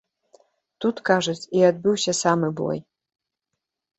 Тут, кажуць, і адбыўся самы бой.